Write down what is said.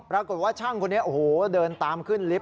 ปรากฏว่าช่างคนนี้โอ้โฮเดินตามขึ้นลิฟต์